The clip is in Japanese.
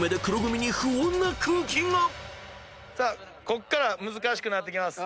ここから難しくなっていきます。